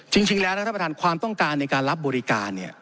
จริงแล้วนะท่านประธานความต้องการในการรับบริการเนี่ย